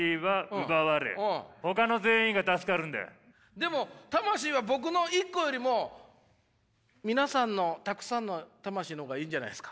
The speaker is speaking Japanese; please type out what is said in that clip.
でも魂は僕の一個よりも皆さんのたくさんの魂の方がいいんじゃないですか？